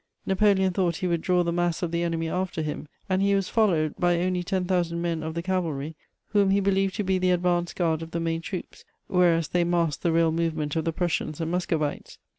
Napoleon thought he would draw the mass of the enemy after him, and he was followed, by only ten thousand men of the cavalry, whom he believed to be the advance guard of the main troops, whereas they masked the real movement of the Prussians and Muscovites.